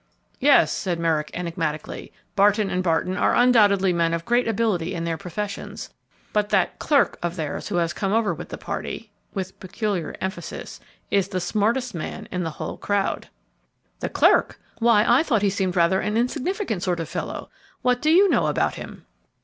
"Yes," said Merrick, enigmatically, "Barton & Barton are undoubtedly men of great ability in their professions but that 'clerk' of theirs who has come over with the party," with peculiar emphasis, "is the smartest man in the whole crowd!" "The clerk! why I thought he seemed rather an insignificant sort of a fellow; what do you know about him?"